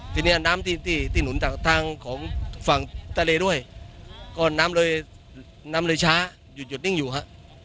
ทีนี้น้ำที่ที่หนุนจากทางของฝั่งทะเลด้วยก็น้ำเลยน้ำเลยช้าหยุดหยุดนิ่งอยู่ฮะ